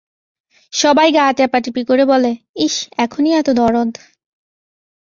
সবাই গা-টেপাটেপি করে বলে, ইস, এখনই এত দরদ!